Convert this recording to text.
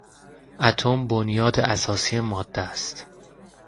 اتم بنیاد اساسی ماده است.